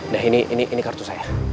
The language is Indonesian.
nah ini kartu saya